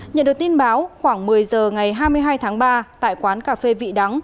nhận được tin báo khoảng một mươi giờ ngày hai mươi hai tháng ba tại quán cà phê vị đắng